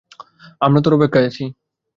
আমরা তোর অপেক্ষায় আছি।